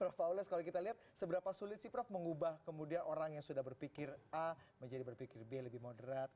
prof paules kalau kita lihat seberapa sulit sih prof mengubah kemudian orang yang sudah berpikir a menjadi berpikir b lebih moderat